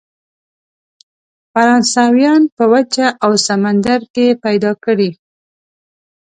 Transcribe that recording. فرانسویان په وچه او سمندر کې پیدا کړي.